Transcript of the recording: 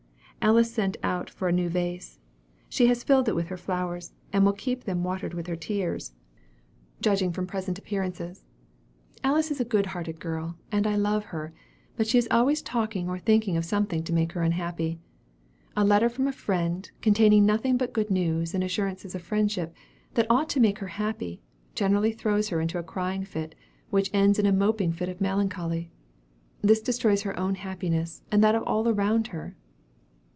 Alice sent out for a new vase. She has filled it with her flowers, and will keep them watered with her tears, judging from present appearances. Alice is a good hearted girl, and I love her, but she is always talking or thinking of something to make her unhappy. A letter from a friend, containing nothing but good news, and assurances of friendship, that ought to make her happy, generally throws her into a crying fit, which ends in a moping fit of melancholy. This destroys her own happiness, and that of all around her.'"